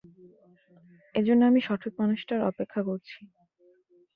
এজন্য আমি সঠিক মানুষটার অপেক্ষা করছি।